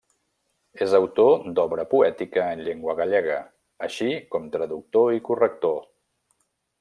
És autor d'obra poètica en llengua gallega, així com traductor i corrector.